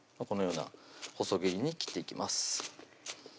このような細切りに切っていきます